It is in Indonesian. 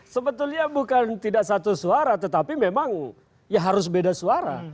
sebetulnya bukan tidak satu suara tetapi memang ya harus beda suara